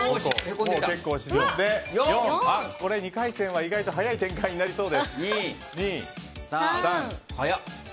２回戦は意外と早い展開になりそうです。